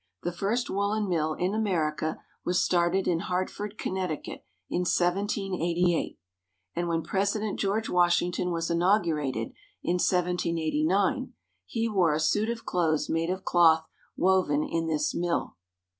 The first w^oolen mill in Amer ica was started in Hartford, Connecticut, in 1788; and when President George Washington was inaugurated, in 1789, he wore a suit of clothes made of cloth woven in this mill.